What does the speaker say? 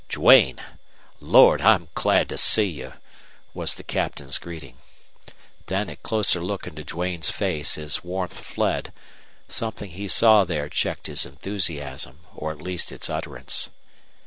"Duane! Lord, I'm glad to see you," was the Captain's greeting. Then at closer look into Duane's face his warmth fled something he saw there checked his enthusiasm, or at least its utterance.